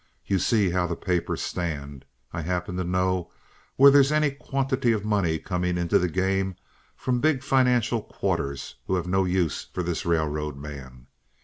You see how the papers stand. I happen to know where there's any quantity of money coming into the game from big financial quarters who have no use for this railroad man.